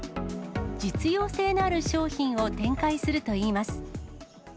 実用性のある商品を展開するといいます。